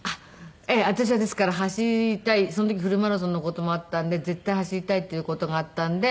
私はですから走りたいその時フルマラソンの事もあったんで絶対走りたいっていう事があったんで。